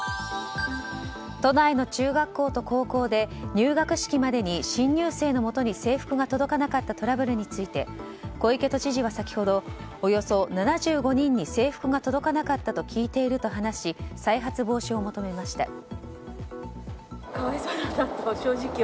都内の中学校と高校で入学式までに新入生のもとに制服が届かなかったトラブルについて小池都知事は先ほどおよそ７５人に制服が届かなかったと聞いていると話し再発防止を求めました。